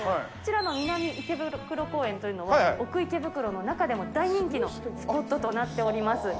こちらの南池袋公園というのは、奥池袋の中でも大人気のスポットとなっております。